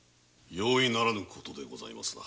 容易ならぬ事でございますな。